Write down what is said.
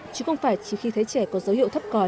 chứ không phải chỉ khi thấy trẻ có dấu hiệu thấp còi